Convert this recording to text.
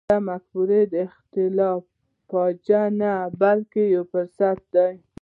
د مفکورو اختلاف فاجعه نه بلکې یو فرصت دی.